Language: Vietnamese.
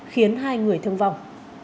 khiến hai người thương vong